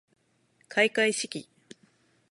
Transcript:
かいかいしき